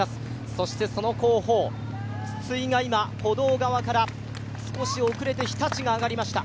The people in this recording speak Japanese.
そしてその後方、筒井が今歩道側から少し遅れて日立が上がりました。